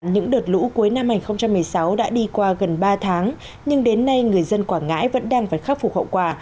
những đợt lũ cuối năm hai nghìn một mươi sáu đã đi qua gần ba tháng nhưng đến nay người dân quảng ngãi vẫn đang phải khắc phục hậu quả